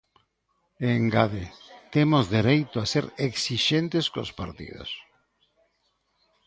E engade "temos dereito a ser esixentes cos partidos".